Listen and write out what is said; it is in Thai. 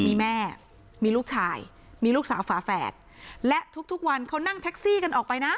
มีแม่มีลูกชายมีลูกสาวฝาแฝดและทุกทุกวันเขานั่งแท็กซี่กันออกไปนะ